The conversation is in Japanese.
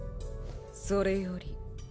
それより。